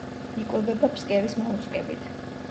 იკვებება ფსკერის მოლუსკებით.